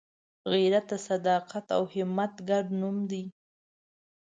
غیرت د صداقت او همت ګډ نوم دی